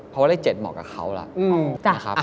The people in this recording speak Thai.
เพราะว่าเลขเจ็ดเหมาะกับเขาแหละ